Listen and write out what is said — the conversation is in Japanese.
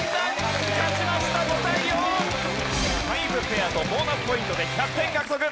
５ペアとボーナスポイントで１００点獲得！